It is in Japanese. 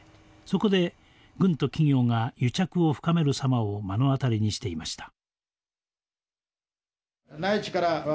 そこで軍と企業が癒着を深めるさまを目の当たりにしていました。